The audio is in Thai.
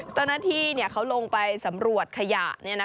เจ้าหน้าที่เขาลงไปสำรวจขยะ